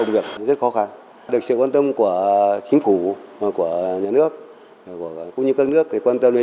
ví dụ như thế là